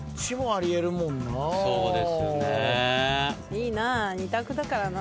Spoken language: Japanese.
いいな２択だからな。